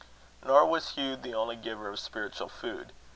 Nor was Hugh the only giver of spiritual food.